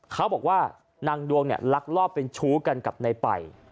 เขาบอกว่านางดวงเนี่ยลักลอบเป็นชู้กันกับในไป